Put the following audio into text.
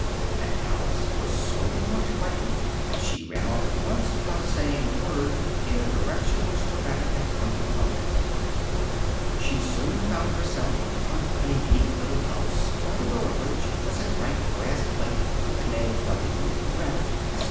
and Alice was so much frightened that she ran off at once, without saying a word, in the direction which the rabbit had pointed out. She soon found herself in front of a neat little house, on the door of which was a bright brass plate with the name W. RABBIT, ESQ.